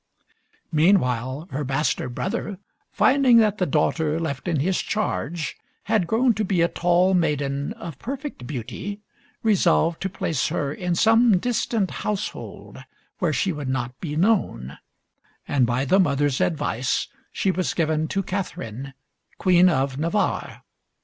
Meanwhile her bastard brother, finding that the daughter left in his charge had grown to be a tall maiden of perfect beauty, resolved to place her in some distant household where she would not be known, and by the mother's advice she was given to Catherine, Queen of Navarre.